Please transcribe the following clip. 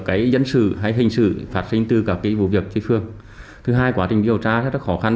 cái dân sự hay hình sự phát sinh từ các vụ việc chơi phường thứ hai quá trình điều tra rất khó khăn